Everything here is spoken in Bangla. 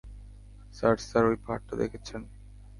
স্যার, স্যার, ওই পাহাড়টা দেখছেন?